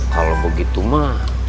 kalau begitu mah